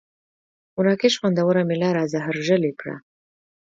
مراکش خوندوره مېله را زهرژلې کړه.